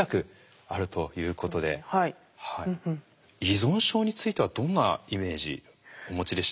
依存症についてはどんなイメージお持ちでした？